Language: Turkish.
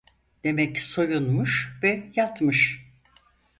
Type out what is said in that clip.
Demek soyunmuş ve yatmış!